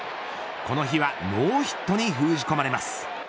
この日はノーヒットに封じ込まれます。